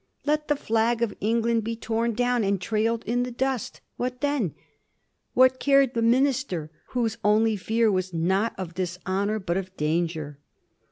Let the flag of England be torn down and trailed in the dust — what then ? What cared the Minister whose only fear was, not of dishonor, but of danger.